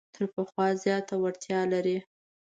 تر پخوا زیاته وړتیا لري.